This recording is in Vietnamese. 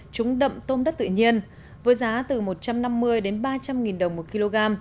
trúng đậm tôm đất tự nhiên với giá từ một trăm năm mươi đến ba trăm linh nghìn đồng một kg